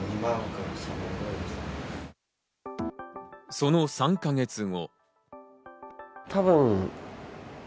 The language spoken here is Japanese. その３か月後。